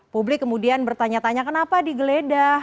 publik kemudian bertanya tanya kenapa digeledah